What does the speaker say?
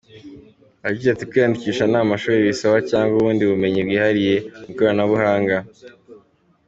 Yagize ati “Kwiyandikisha nta mashuri bisaba cyangwa ubundi bumenyi bwihariye mu ikoranabuhanga.